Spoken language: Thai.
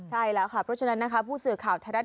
ใช่แล้วค่ะเพราะฉะนั้นนะคะ